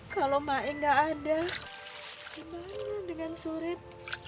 kalau mae enggak ada gimana dengan surip